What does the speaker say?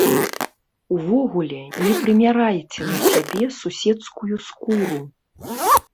Увогуле, не прымярайце на сябе суседскую скуру.